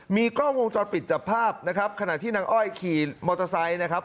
มีกล้องวงจรปิดจับภาพนะครับขณะที่นางอ้อยขี่มอเตอร์ไซค์นะครับ